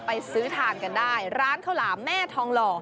ไปซื้อทานกันได้ร้านข้าวหลามแม่ทองหล่อ